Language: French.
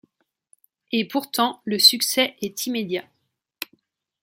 Et pourtant le succès est immédiat.